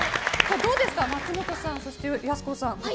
どうですか、松本さんやす子さん。